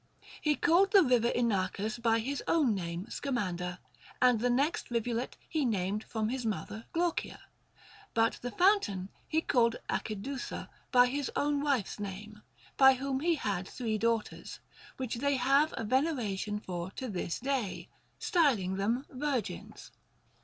He called the river Inachus by his own name Sca mander, and the next rivulet he named from his mother Glaucia ; but the fountain he called Acidusa by his own wife's name, by whom he had three daughters, which they have a veneration for to this day, styling them virgins.